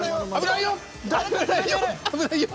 危ないよ！